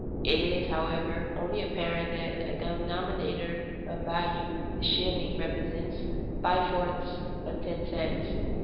It is, however, only apparently a denominator of value; the shilling represents five fourths of ten cents.